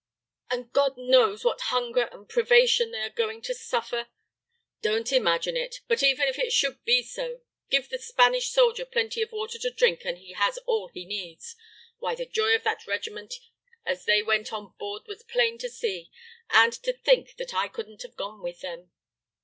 "And God knows what hunger and privation they are going to suffer!" "Don't imagine it, but even if it should be so, give the Spanish soldier plenty of water to drink and he has all he needs. Why, the joy of that regiment as they went on board was plain to be seen! And to think that I couldn't have gone with them!"